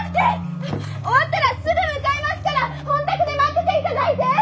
終わったらすぐ向かいますから本宅で待ってていただいて！！